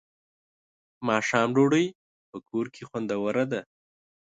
ماښام ډوډۍ په کور کې خوندوره ده.